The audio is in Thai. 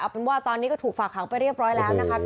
เป็นว่าตอนนี้ก็ถูกฝากหางไปเรียบร้อยแล้วนะคะ